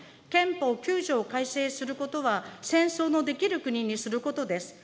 憲法９条を改正することは、戦争のできる国にすることです。